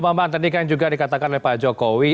pak bambang tadi kan juga dikatakan oleh pak jokowi